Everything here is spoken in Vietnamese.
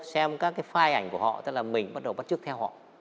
xem các cái file ảnh của họ